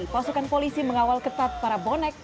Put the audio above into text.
pasukan polisi mengawal ketat para bonek